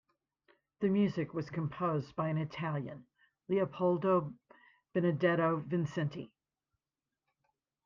The music was composed by an Italian, Leopoldo Benedetto Vincenti.